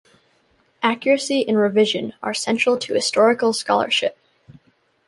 Accuracy and revision are central to historical scholarship.